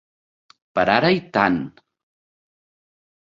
Per ara i tant.